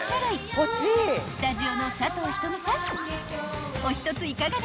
［スタジオの佐藤仁美さん］